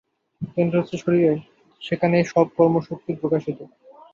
কেন্দ্র হচ্ছে শরীরে, সেখানেই সব কর্মশক্তি প্রকাশিত।